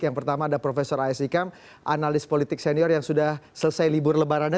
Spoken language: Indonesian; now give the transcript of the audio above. yang pertama ada profesor aisyikam analis politik senior yang sudah selesai libur lebarannya